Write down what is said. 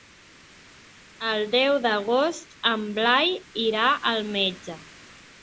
El deu d'agost en Blai irà al metge.